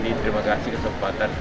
jadi terima kasih kesempatan